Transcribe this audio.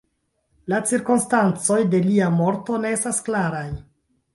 La cirkonstancoj de lia morto ne estas klaraj.